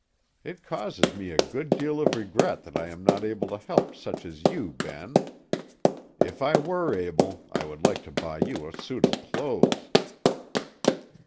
It causes me a good deal of regret that I am not able to help such as you, Ben. If I were able, I would like to buy you a suit of clothes."